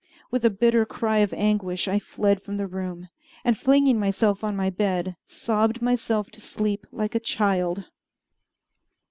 With a bitter cry of anguish I fled from the room, and flinging myself on my bed, sobbed myself to sleep like a child.